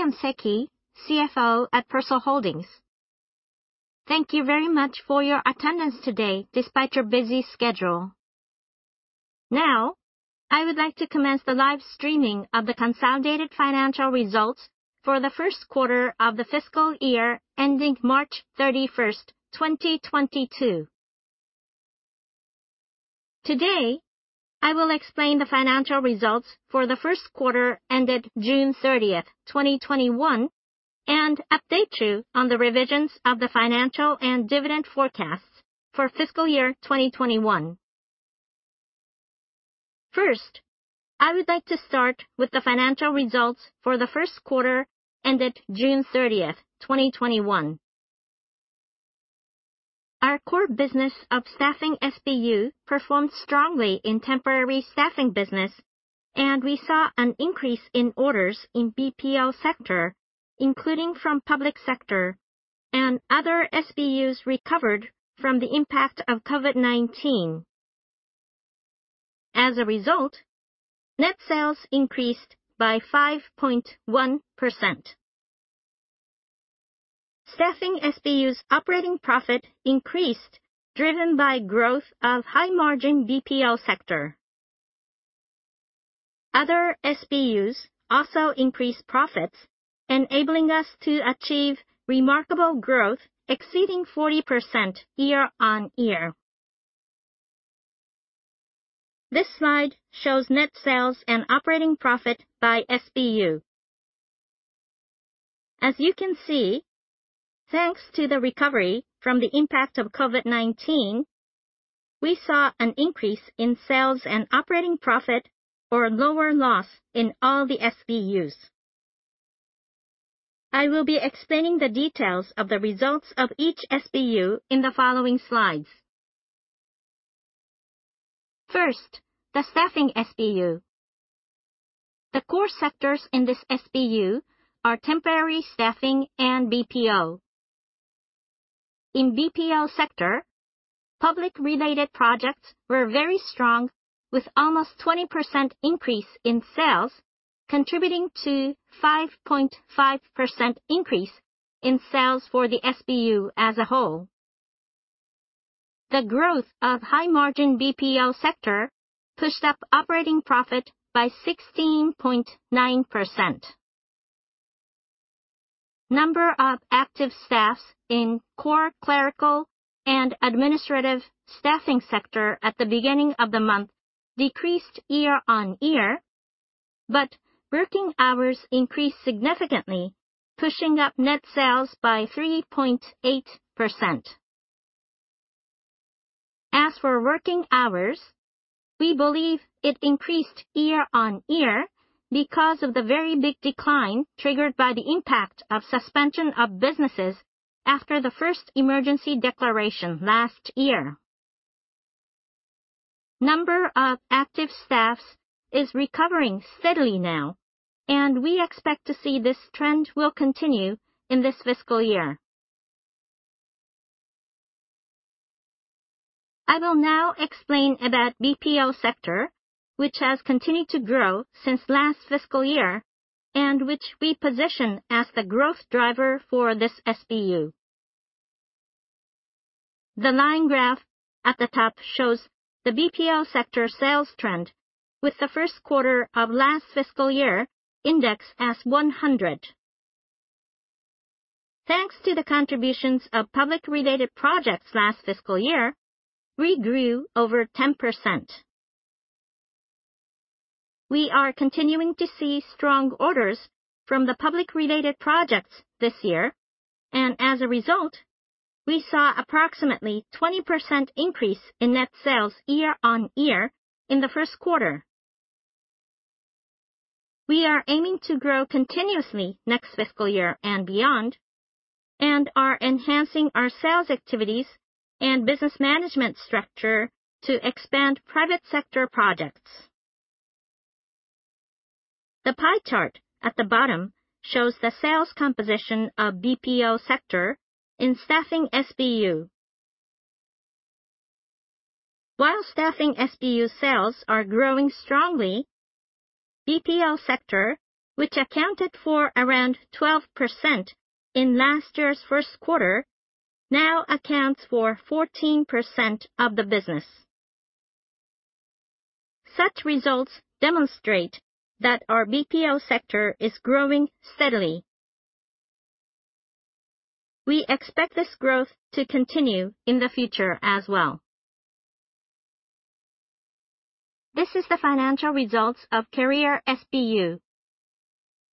I am Seki, CFO at PERSOL HOLDINGS. Thank you very much for your attendance today despite your busy schedule. Now, I would like to commence the live streaming of the consolidated financial results for the first quarter of the fiscal year ending March 31st, 2022. Today, I will explain the financial results for the first quarter ended June 30th, 2021, and update you on the revisions of the financial and dividend forecasts for fiscal year 2021. First, I would like to start with the financial results for the first quarter ended June 30th, 2021. Our core business of Staffing SBU performed strongly in temporary staffing business, and we saw an increase in orders in BPO sector, including from public sector, and other SBUs recovered from the impact of COVID-19. As a result, net sales increased by 5.1%. Staffing SBU's operating profit increased, driven by growth of high-margin BPO sector. Other SBUs also increased profits, enabling us to achieve remarkable growth exceeding 40% year-on-year. This slide shows net sales and operating profit by SBU. As you can see, thanks to the recovery from the impact of COVID-19, we saw an increase in sales and operating profit or lower loss in all the SBUs. I will be explaining the details of the results of each SBU in the following slides. First, the Staffing SBU. The core sectors in this SBU are temporary staffing and BPO. In BPO sector, public-related projects were very strong, with almost 20% increase in sales, contributing to 5.5% increase in sales for the SBU as a whole. The growth of high-margin BPO sector pushed up operating profit by 16.9%. Number of active staffs in core clerical and administrative staffing sector at the beginning of the month decreased year-on-year, but working hours increased significantly, pushing up net sales by 3.8%. As for working hours, we believe it increased year-on-year because of the very big decline triggered by the impact of suspension of businesses after the first emergency declaration last year. Number of active staffs is recovering steadily now, and we expect to see this trend will continue in this fiscal year. I will now explain about BPO sector, which has continued to grow since last fiscal year and which we position as the growth driver for this SBU. The line graph at the top shows the BPO sector sales trend with the first quarter of last fiscal year indexed as 100. Thanks to the contributions of public-related projects last fiscal year, we grew over 10%. We are continuing to see strong orders from the public-related projects this year. As a result, we saw approximately 20% increase in net sales year-on-year in the first quarter. We are aiming to grow continuously next fiscal year and beyond and are enhancing our sales activities and business management structure to expand private sector projects. The pie chart at the bottom shows the sales composition of BPO sector in Staffing SBU. While Staffing SBU sales are growing strongly, BPO sector, which accounted for around 12% in last year's first quarter, now accounts for 14% of the business. Such results demonstrate that our BPO sector is growing steadily. We expect this growth to continue in the future as well. This is the financial results of Career SBU.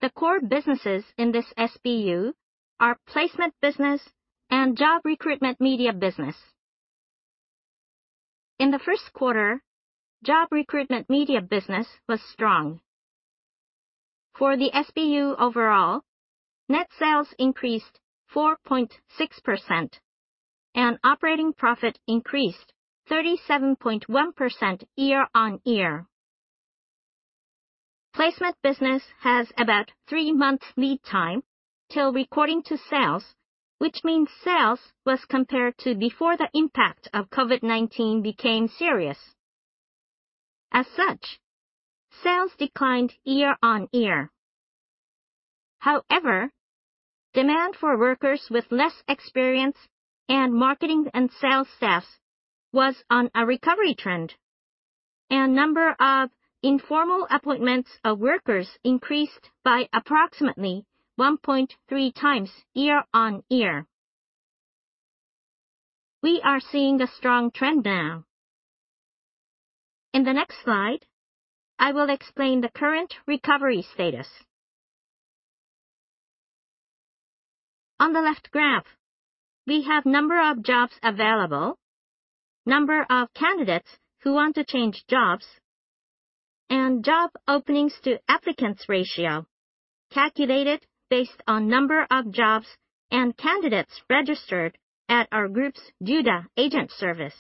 The core businesses in this SBU are placement business and job recruitment media business. In the first quarter, job recruitment media business was strong. For the SBU overall, net sales increased 4.6% and operating profit increased 37.1% year-on-year. Placement business has about three months lead time till recording to sales, which means sales was compared to before the impact of COVID-19 became serious. As such, sales declined year-on-year. However, demand for workers with less experience and marketing and sales staff was on a recovery trend. Number of informal appointments of workers increased by approximately 1.3 times year-on-year. We are seeing a strong trend now. In the next slide, I will explain the current recovery status. On the left graph, we have number of jobs available, number of candidates who want to change jobs, and job openings to applicants ratio calculated based on number of jobs and candidates registered at our group's doda agent service.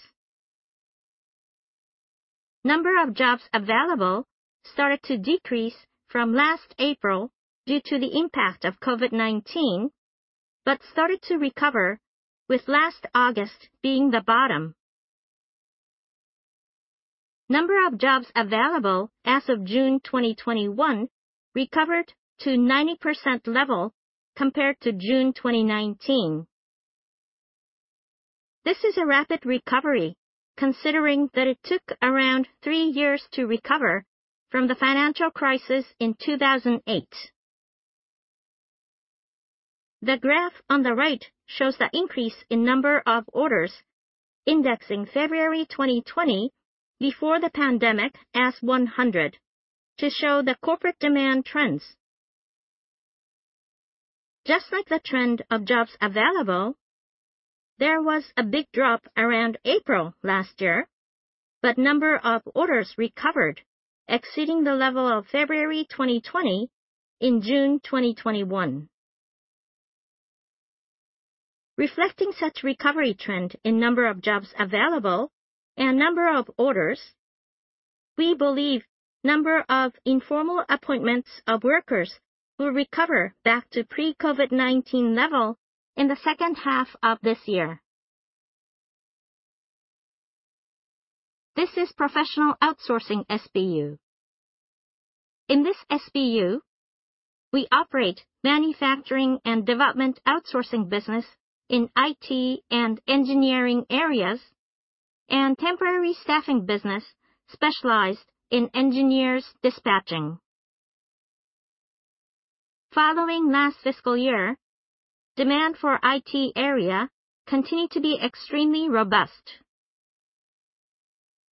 Number of jobs available started to decrease from last April due to the impact of COVID-19, but started to recover with last August being the bottom. Number of jobs available as of June 2021 recovered to 90% level compared to June 2019. This is a rapid recovery considering that it took around three years to recover from the financial crisis in 2008. The graph on the right shows the increase in number of orders, indexing February 2020, before the pandemic, as 100 to show the corporate demand trends. Just like the trend of jobs available, there was a big drop around April last year, but number of orders recovered, exceeding the level of February 2020 in June 2021. Reflecting such recovery trend in number of jobs available and number of orders, we believe number of informal appointments of workers will recover back to pre-COVID-19 level in the second half of this year. This is Professional Outsourcing SBU. In this SBU, we operate manufacturing and development outsourcing business in IT and engineering areas and temporary staffing business specialized in engineers dispatching. Following last fiscal year, demand for IT area continued to be extremely robust.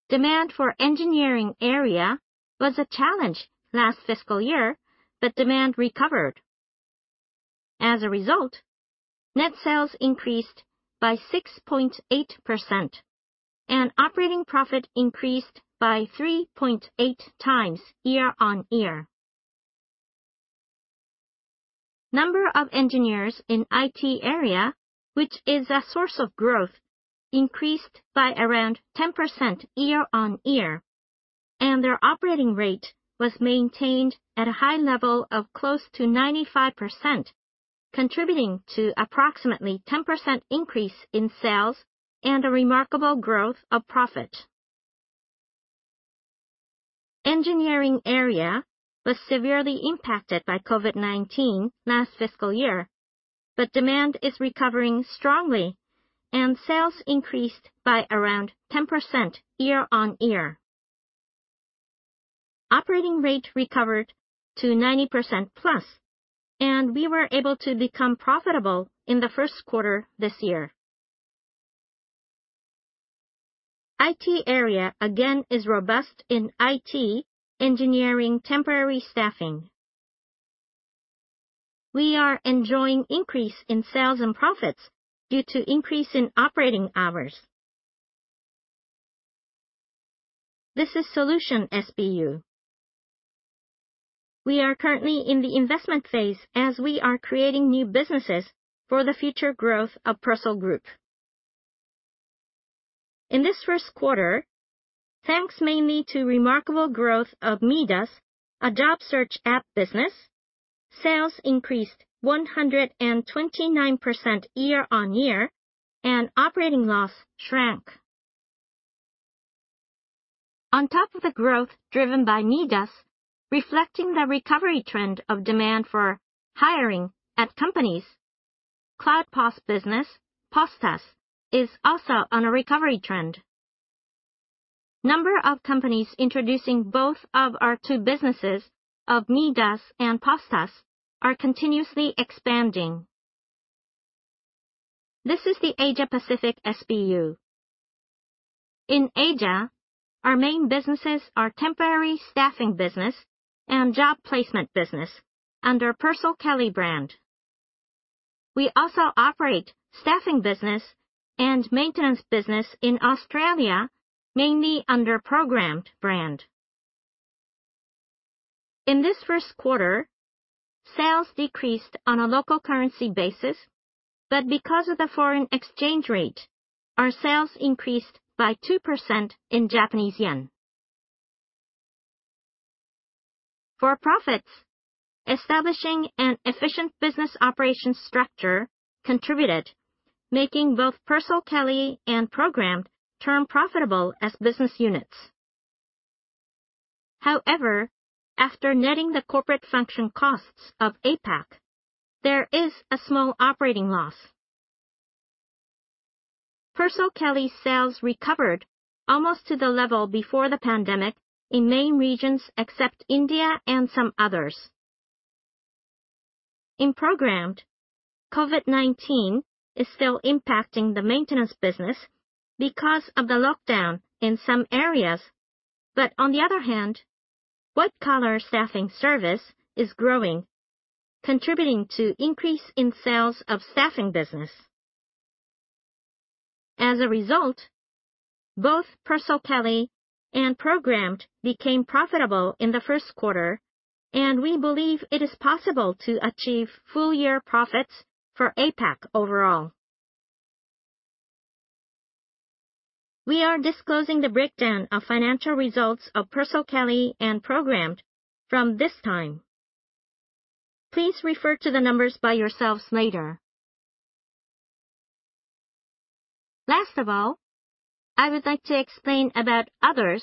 Demand for engineering area was a challenge last fiscal year, but demand recovered. As a result, net sales increased by 6.8% and operating profit increased by 3.8 times year-on-year. Number of engineers in IT area, which is a source of growth, increased by around 10% year-on-year, and their operating rate was maintained at a high level of close to 95%, contributing to approximately 10% increase in sales and a remarkable growth of profit. Engineering area was severely impacted by COVID-19 last fiscal year. Demand is recovering strongly and sales increased by around 10% year-on-year. Operating rate recovered to 90% plus. We were able to become profitable in the first quarter this year. IT area again is robust in IT engineering temporary staffing. We are enjoying increase in sales and profits due to increase in operating hours. This is Solution SBU. We are currently in the investment phase as we are creating new businesses for the future growth of PERSOL GROUP. In this first quarter, thanks mainly to remarkable growth of MIIDAS, a job search app business, sales increased 129% year on year and operating loss shrank. On top of the growth driven by MIIDAS, reflecting the recovery trend of demand for hiring at companies, Cloud POS business, POS+, is also on a recovery trend. Number of companies introducing both of our two businesses of MIIDAS and POS+ are continuously expanding. This is the Asia Pacific SBU. In Asia, our main businesses are temporary staffing business and job placement business under PERSOLKELLY brand. We also operate staffing business and maintenance business in Australia, mainly under Programmed brand. In this first quarter, sales decreased on a local currency basis, because of the foreign exchange rate, our sales increased by 2% in Japanese yen. For profits, establishing an efficient business operations structure contributed, making both PERSOLKELLY and Programmed turn profitable as business units. After netting the corporate function costs of APAC, there is a small operating loss. PERSOLKELLY sales recovered almost to the level before the pandemic in main regions except India and some others. In Programmed, COVID-19 is still impacting the maintenance business because of the lockdown in some areas. On the other hand, white-collar staffing service is growing, contributing to increase in sales of staffing business. As a result, both PERSOLKELLY and Programmed became profitable in the first quarter, and we believe it is possible to achieve full-year profits for APAC overall. We are disclosing the breakdown of financial results of PERSOLKELLY and Programmed from this time. Please refer to the numbers by yourselves later. Last of all, I would like to explain about Others,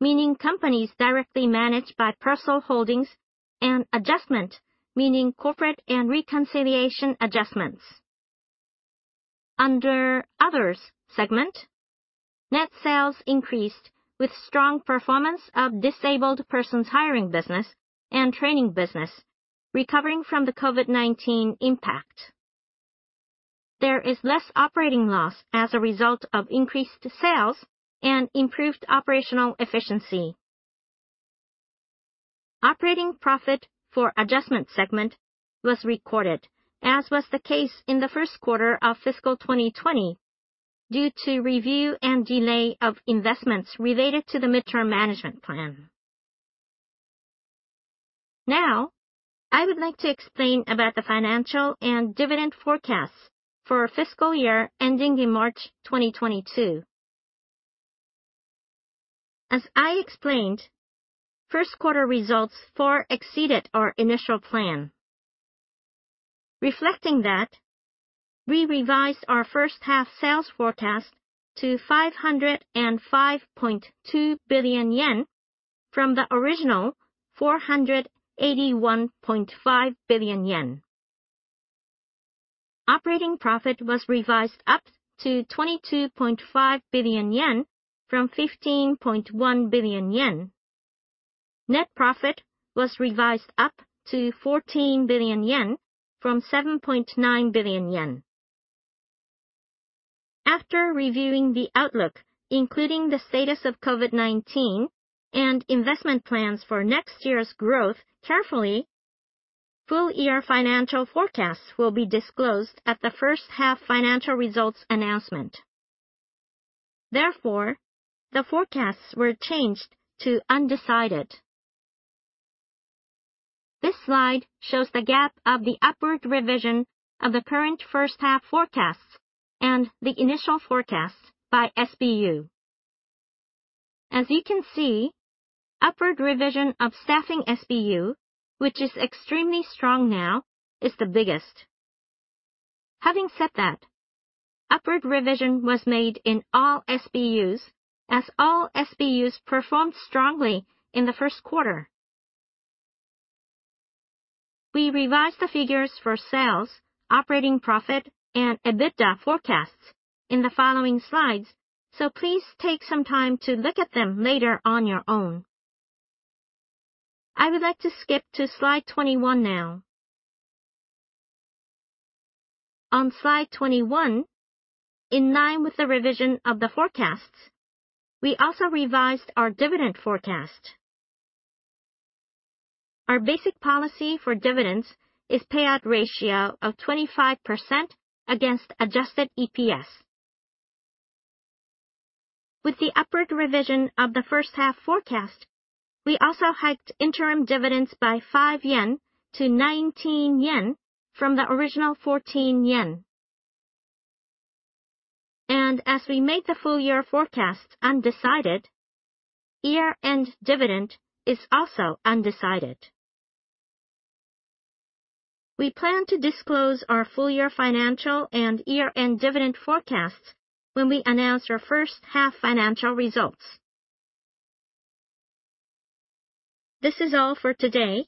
meaning companies directly managed by PERSOL HOLDINGS and Adjustment, meaning corporate and reconciliation adjustments. Under Others segment, net sales increased with strong performance of disabled persons hiring business and training business recovering from the COVID-19 impact. There is less operating loss as a result of increased sales and improved operational efficiency. Operating profit for Adjustment segment was recorded, as was the case in the first quarter of fiscal 2020, due to review and delay of investments related to the midterm management plan. Now, I would like to explain about the financial and dividend forecasts for our fiscal year ending in March 2022. As I explained, first quarter results far exceeded our initial plan. Reflecting that, we revised our first half sales forecast to 505.2 billion yen from the original 481.5 billion yen. Operating profit was revised up to 22.5 billion yen from 15.1 billion yen. Net profit was revised up to 14 billion yen from 7.9 billion yen. After reviewing the outlook, including the status of COVID-19 and investment plans for next year's growth carefully, full-year financial forecasts will be disclosed at the first half financial results announcement. Therefore, the forecasts were changed to undecided. This slide shows the gap of the upward revision of the current first half forecasts and the initial forecasts by SBU. As you can see, upward revision of Staffing SBU, which is extremely strong now, is the biggest. Having said that, upward revision was made in all SBUs, as all SBUs performed strongly in the first quarter. We revised the figures for sales, operating profit, and EBITDA forecasts in the following slides. Please take some time to look at them later on your own. I would like to skip to slide 21 now. On slide 21, in line with the revision of the forecasts, we also revised our dividend forecast. Our basic policy for dividends is payout ratio of 25% against adjusted EPS. With the upward revision of the first half forecast, we also hiked interim dividends by 5-19 yen from the original 14 yen. As we made the full year forecasts undecided, year-end dividend is also undecided. We plan to disclose our full year financial and year-end dividend forecasts when we announce our first half financial results. This is all for today.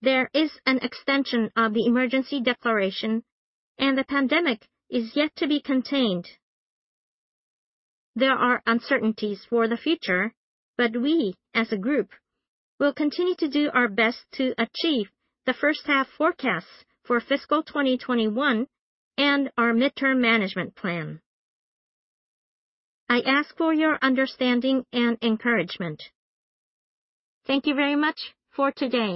There is an extension of the emergency declaration, and the pandemic is yet to be contained. There are uncertainties for the future, but we, as a group, will continue to do our best to achieve the first half forecasts for fiscal 2021 and our midterm management plan. I ask for your understanding and encouragement. Thank you very much for today.